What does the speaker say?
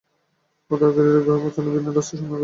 উদ্ধারকারীরা গুহায় পৌঁছানোর ভিন্ন রাস্তার সন্ধান করছে।